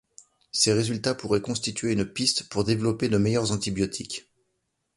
Ces résultats pourraient constituer une piste pour développer de meilleurs antibiotiques.